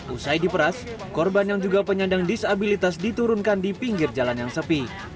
usai diperas korban yang juga penyandang disabilitas diturunkan di pinggir jalan yang sepi